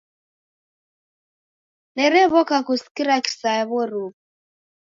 Nerew'oka kusikira kisaya w'oruw'u.